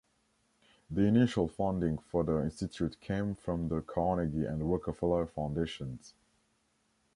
The initial funding for the institute came from the Carnegie and Rockefeller Foundations.